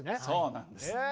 そうなんです。